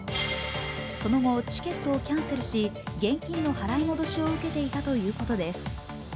その後、チケットをキャンセルし現金の払い戻しを受けていたということです。